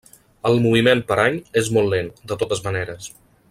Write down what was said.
El moviment per any és molt lent, de totes maneres.